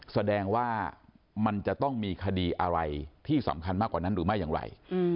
แสดงว่ามันจะต้องมีคดีอะไรที่สำคัญมากกว่านั้นหรือไม่อย่างไร